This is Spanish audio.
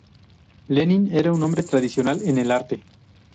Lenin era un hombre tradicional en el arte.